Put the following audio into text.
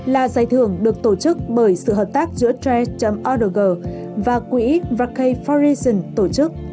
là giải thưởng được tổ chức bởi sự hợp tác giữa tres org và quỹ vắc kỳ forensic tổ chức